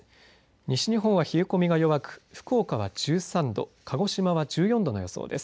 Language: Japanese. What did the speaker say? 西日本は冷え込みが弱く福岡は１３度鹿児島は１４度の予想です。